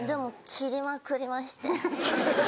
「切りまくりまして」。